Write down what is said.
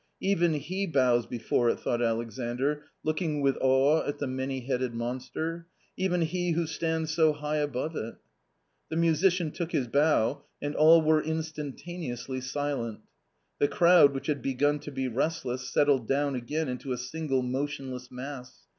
" Even he bows before it," thought Alexandr, looking with awe at the many headed monster, " even he who stands so high above it !" The musician took his bow; and all were instantaneously silence. The crowd, which had begun to be restless, settled down again into a single motionless mass.